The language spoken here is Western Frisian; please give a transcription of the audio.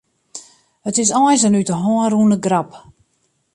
It is eins in út 'e hân rûne grap.